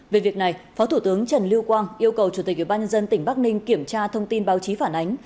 về việc này phó thủ tướng trần lưu quang yêu cầu chủ tịch ubnd tỉnh bắc ninh kiểm tra thông tin báo chí phản ánh